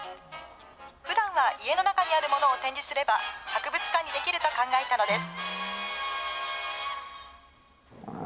ふだんは家の中にあるものを展示すれば、博物館にできると考えたのです。